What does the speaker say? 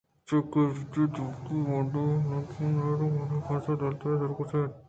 پد گرد ءَ تو وتی بُنڈی ئیں لِٹّک ءِ زہرہم منی پس ءُ دلوتانی سرا کشّ اِتگ